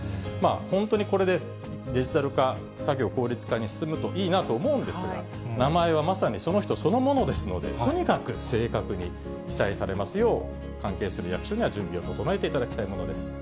本当にこれで、デジタル化、作業効率化に進むといいなと思うんですが、名前はまさにその人、そのものですので、とにかく正確に記載されますよう、関係する役所には準備を整えていただきたいものです。